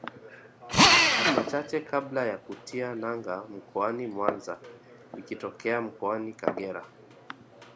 Hatua chache kabla ya kutia nanga mkoani Mwanza ikitokea Mkoani Kagera